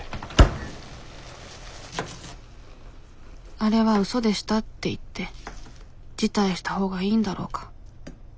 あれは嘘でしたって言って辞退したほうがいいんだろうか。